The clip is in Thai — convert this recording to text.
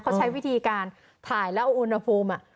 เขาใช้วิธีการถ่ายแล้วเอาอุณหภูมิ